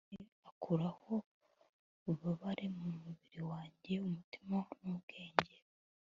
amaboko ye akuraho ububabare mu mubiri wanjye, umutima n'ubwenge